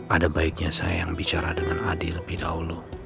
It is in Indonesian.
ada baiknya saya yang bicara dengan adil lebih dahulu